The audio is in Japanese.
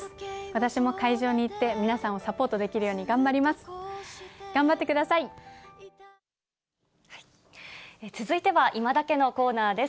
私も会場に行って皆さんをサポートできるように頑張ります。